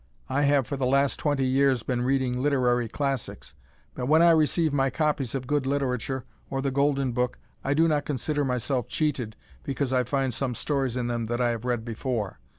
I have for the last twenty years been reading literary classics but when I receive my copies of Good Literature or The Golden Book I do not consider myself cheated because I find some stories in them that I have read before.